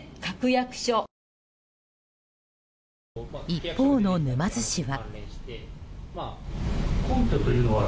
一方の沼津市は。